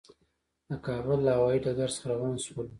د کابل له هوایي ډګر څخه روان شولو.